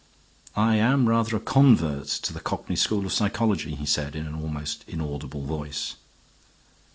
"I am rather a convert to the cockney school of psychology," he said in an almost inaudible voice.